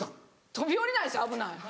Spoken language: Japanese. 飛び降りないですよ危ない！